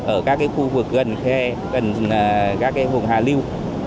ở các khu vực gần các vùng hà liêu